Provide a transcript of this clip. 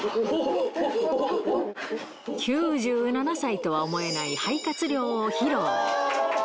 ９７歳とは思えない肺活量を披露。